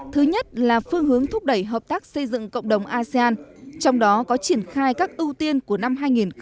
thứ nhất là phương hướng thúc đẩy hợp tác xây dựng cộng đồng asean trong đó có triển khai các ưu tiên của năm hai nghìn hai mươi